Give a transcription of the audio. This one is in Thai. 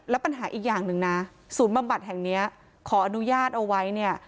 แล้วปัญหาอีกอย่างหนึ่งนะศูนย์บำบัดแห่งเนี้ยขออนุญาตเอาไว้เนี่ย